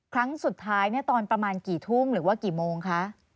ครั้งสุดท้ายตอนประมาณกี่ทุ่มหรือว่ากี่โมงคะ